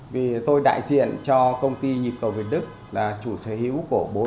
vì tôi đại diện cho công ty nhịp cầu việt đức là chủ sở hữu của bốn mươi hai